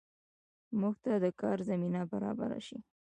موږ ته د کار زمینه برابره شي